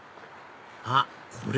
あっこれ？